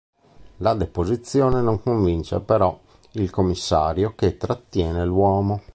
La deposizione non convince però il commissario che trattiene l'uomo.